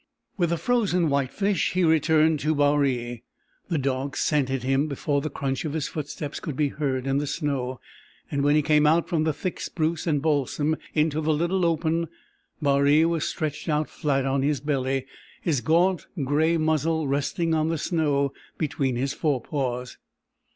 With a frozen whitefish he returned to Baree. The dog scented him before the crunch of his footsteps could be heard in the snow, and when he came out from the thick spruce and balsam into the little open, Baree was stretched out flat on his belly, his gaunt gray muzzle resting on the snow between his forepaws.